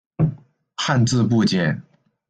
汉字部件。